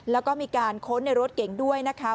แล้วก็มีการค้นในรถเก่งด้วยนะคะ